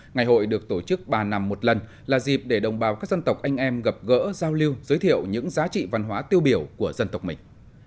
ngày hội được tổ chức ba năm một lần là dịp để đồng bào các dân tộc anh em gặp gỡ giao lưu giới thiệu những giá trị văn hóa tiêu biểu của dân tộc mình